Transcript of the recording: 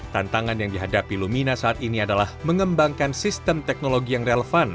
tantangan yang dihadapi lumina saat ini adalah mengembangkan sistem teknologi yang relevan